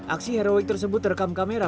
aksi heroik tersebut terekam kamera